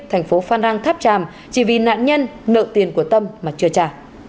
thành phố phan rang tháp tràm chỉ vì nạn nhân nợ tiền của tâm mà chưa trả